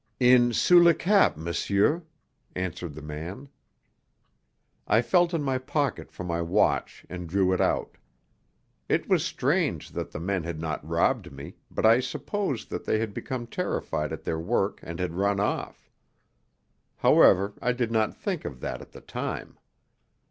"In Sous le Cap, m'sieur," answered the man. I felt in my pocket for my watch and drew it out. It was strange that the men had not robbed me, but I suppose they had become terrified at their work and had run off. However, I did not think of that at the time.